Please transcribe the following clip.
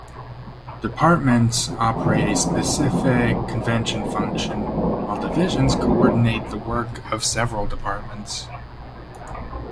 "Departments" operate a specific convention function, while "divisions" coordinate the work of several departments.